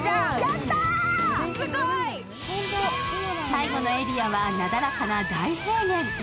最後のエリアはなだらかな大平原。